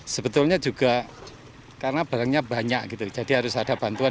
sebetulnya juga karena barangnya banyak gitu jadi harus ada bantuan